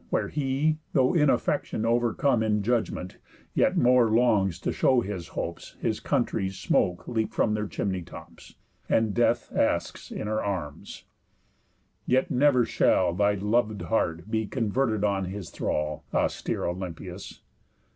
Where he, though in affection overcome, In judgment yet more longs to show his hopes His country's smoke leap from her chimney tops, And death asks in her arms. Yet never shall Thy lov'd heart be converted on his thrall, Austere Olympius.